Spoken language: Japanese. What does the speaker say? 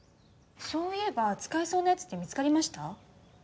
そういえば使えそうな奴って見つかりました？